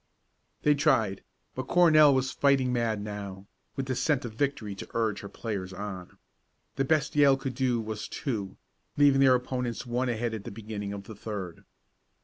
They tried, but Cornell was fighting mad now, with the scent of victory to urge her players on. The best Yale could do was two, leaving their opponents one ahead at the beginning of the third.